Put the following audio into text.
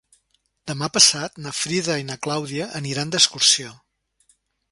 Demà passat na Frida i na Clàudia aniran d'excursió.